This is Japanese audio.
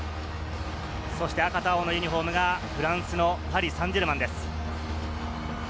赤と青のユニホームがフランスのパリ・サンジェルマンです。